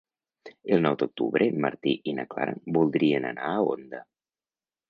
El nou d'octubre en Martí i na Clara voldrien anar a Onda.